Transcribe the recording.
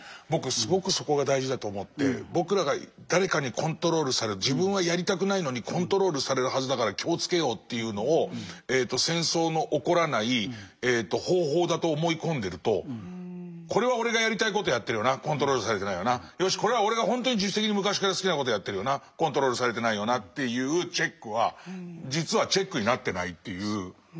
僕すごくそこが大事だと思って僕らが誰かにコントロールされる自分はやりたくないのにコントロールされるはずだから気を付けようというのを戦争の起こらない方法だと思い込んでるとこれは俺がやりたいことやってるよなコントロールされてないよなよしこれは俺が本当に自主的に昔から好きな事をやってるよなコントロールされてないよなっていうチェックは実はチェックになってないという。